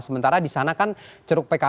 sementara di sana kan ceruk pkb